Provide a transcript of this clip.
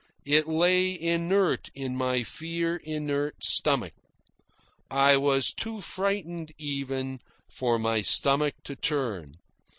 It lay inert in my fear inert stomach. I was too frightened, even, for my stomach to turn.